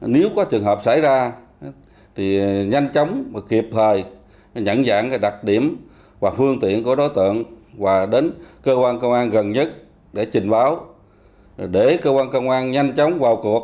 nếu có trường hợp xảy ra thì nhanh chóng và kịp thời nhận dạng đặc điểm và phương tiện của đối tượng